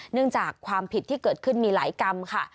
จากความผิดที่เกิดขึ้นมีหลายกรรมค่ะ